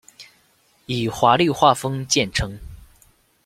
以华丽画风见称。